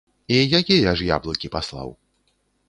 І якія ж яблыкі паслаў?